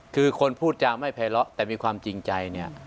คือคนพูดจาไม่ไพระแต่มีความจริงใจ